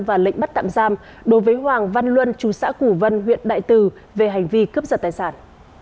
và lệnh bắt tạm giam đối với hoàng văn luân chú xã củ vân huyện đại từ về hành vi cướp giật tài sản